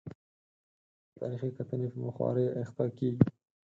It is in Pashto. د تاریخي کتنې په خوارۍ اخته کېږي.